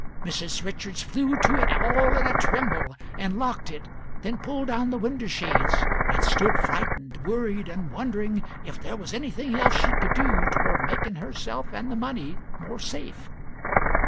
Mrs. Richards flew to it all in a tremble and locked it, then pulled down the window shades and stood frightened, worried, and wondering if there was anything else she could do toward making herself and the money more safe.